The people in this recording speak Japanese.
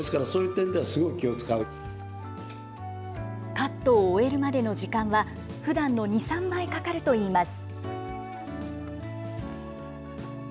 カットを終えるまでの時間はふだんの２、３倍かかるといいます。